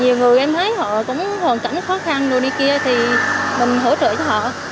nhiều người em thấy họ cũng hoàn cảnh khó khăn người đi kia thì mình hỗ trợ cho họ